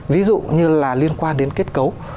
ví dụ như là liên quan đến kết cấu